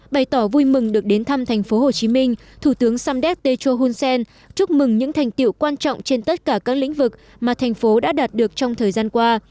bày tỏ vui mừng được đến thăm thành phố hồ chí minh thủ tướng samdet techo hunsen chúc mừng những thành tiệu quan trọng trên tất cả các lĩnh vực mà thành phố đã đạt được trong thời gian qua